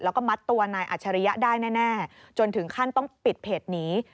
แล้วก็มัดตัวนายอัจฉริยะได้แน่จนถึงขั้นต้องปิดเพจหนี